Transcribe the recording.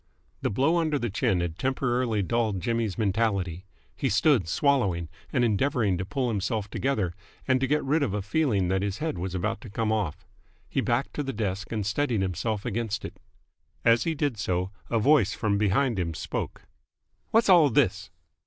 The blow under the chin had temporarily dulled Jimmy's mentality. He stood, swallowing and endeavouring to pull himself together and to get rid of a feeling that his head was about to come off. He backed to the desk and steadied himself against it. As he did so, a voice from behind him spoke. "Whassall this?"